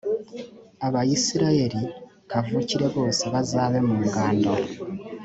abisirayeli kavukire bose bazabe mu ngando